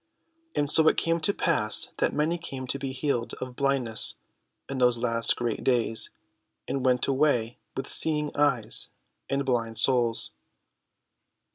And so it came to pass that many came to be healed of blindness in those last great days, and went away with seeing eyes and blind souls.